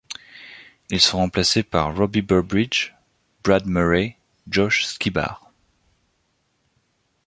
Ils sont remplacés par Robbie Burbidge, Brad Murray, Josh Skibar.